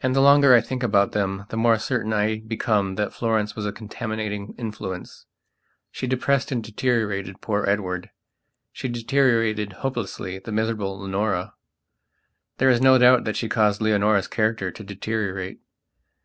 And the longer I think about them the more certain I become that Florence was a contaminating influenceshe depressed and deteriorated poor Edward; she deteriorated, hopelessly, the miserable Leonora. There is no doubt that she caused Leonora's character to deteriorate.